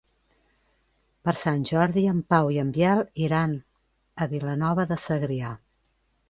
Per Sant Jordi en Pau i en Biel iran a Vilanova de Segrià.